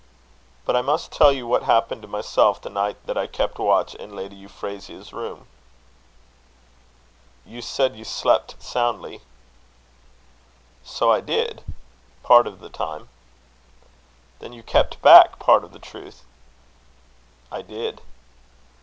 "But I must tell you what happened to myself, the night that I kept watch in Lady Euphrasia's room." "You said you slept soundly." "So I did, part of the time." "Then you kept back part of the truth?" "I did."